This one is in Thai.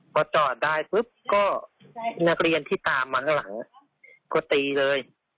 พอจอดได้ปุ๊บก็นักเรียนที่ตามมาข้างหลังก็ตีเลย